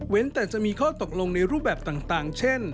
แต่จะมีข้อตกลงในรูปแบบต่างเช่น